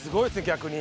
逆に。